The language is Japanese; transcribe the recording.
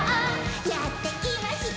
「やってきました！」